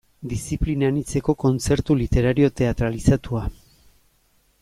Diziplina anitzeko kontzertu literario teatralizatua.